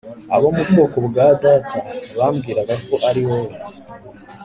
abo mu bwoko bwa data bambwiraga ko ari wowe